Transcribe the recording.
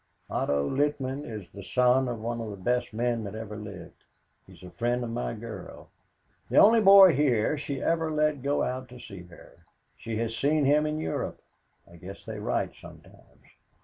"Otto Littman is the son of one of the best men that ever lived. He's a friend of my girl. The only boy here she ever let go out to see her. She has seen him in Europe. I guess they write sometimes.